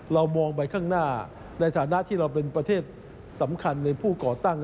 เรามองไปข้างหน้าในฐานะที่เราเป็นประเทศสำคัญในผู้ก่อตั้ง